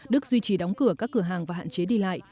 đức duy trì đóng cửa các cửa hàng và hạn chế đi lại